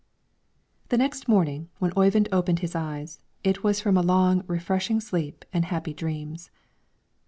The next morning, when Oyvind opened his eyes, it was from a long, refreshing sleep and happy dreams.